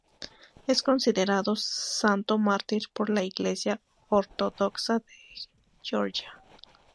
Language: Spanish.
Es considerado santo mártir por la Iglesia Ortodoxa de Georgia.